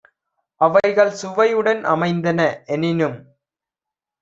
அவைகள் சுவையுடன் அமைந்தன எனினும்